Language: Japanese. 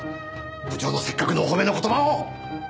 部長のせっかくのお褒めの言葉を！